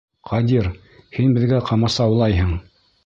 Ҡадир, һин беҙгә ҡамасаулайһың.